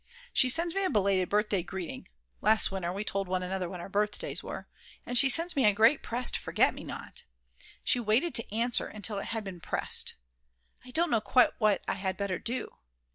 She sends me a belated birthday greeting (last winter we told one another when our birthdays were), and she sends me a great pressed forget me not. She waited to answer until it had been pressed. I don't know quite what I had better do.